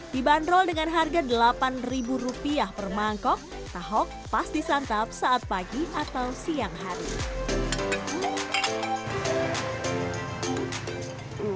dibanderol dengan harga delapan rupiah per mangkok tahok pas disantap saat pagi atau siang hari